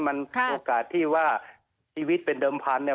มันโอกาสที่ว่าชีวิตเป็นเดิมพันธุเนี่ย